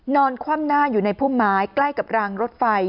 คว่ำหน้าอยู่ในพุ่มไม้ใกล้กับรางรถไฟ